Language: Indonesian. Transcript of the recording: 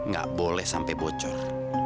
gak boleh sampai bocor